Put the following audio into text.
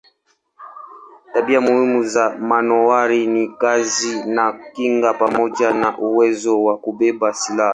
Tabia muhimu za manowari ni kasi na kinga pamoja na uwezo wa kubeba silaha.